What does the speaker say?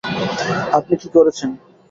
আপনি কী করেছেন?